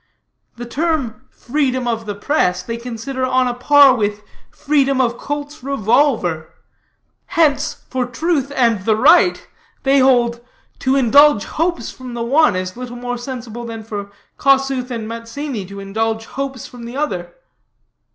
The term 'freedom of the press' they consider on a par with freedom of Colt's revolver. Hence, for truth and the right, they hold, to indulge hopes from the one is little more sensible than for Kossuth and Mazzini to indulge hopes from the other.